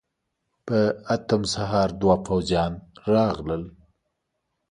په اتم سهار دوه پوځيان راغلل.